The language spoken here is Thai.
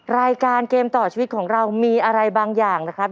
รายการเกมต่อชีวิตของเรามีอะไรบางอย่างนะครับ